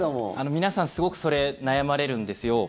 皆さんすごくそれ、悩まれるんですよ。